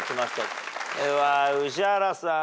では宇治原さん。